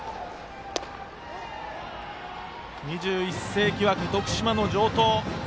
２１世紀枠、徳島の城東